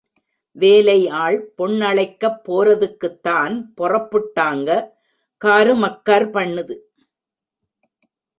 வேலை ஆள் பொண்ணழைக்கப் போரதுக்குத்தான் பொறப்புட்டாங்க, காரு மக்கார்ப்பண்ணுது.